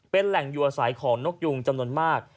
เป็นแหล่งอยู่อาศัยของนกยุงจำนวนมาก